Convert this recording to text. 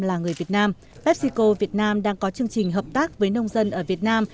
và người việt nam pepsico việt nam đang có chương trình hợp tác với nông dân ở việt nam